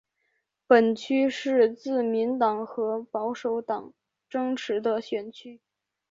本区是自民党和保守党争持的选区。